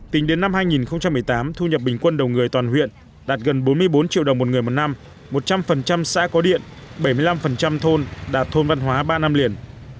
tính đến năm hai nghìn một mươi tám thu nhập bình quân đầu người toàn huyện đạt gần bốn mươi bốn triệu đồng một người một năm một trăm linh xã có điện bảy mươi năm thôn đạt thôn văn hóa ba năm liền